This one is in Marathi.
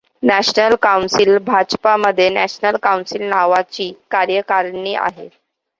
नॅशनल काउन्सिल भाजपामध्ये नॅशनल काउन्सिल नावाची कार्यकारिणी आहे.